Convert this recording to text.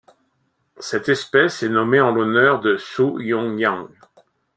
Cette espèce est nommée en l'honneur de Suh-yung Yang.